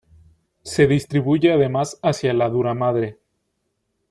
Se distribuye además hacia la duramadre.